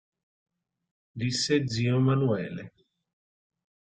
Disse zio Emanuele.